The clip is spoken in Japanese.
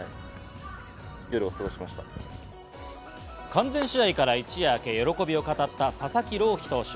完全試合から一夜明け、喜びを語った佐々木朗希投手。